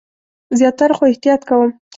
زیاتره، خو احتیاط کوم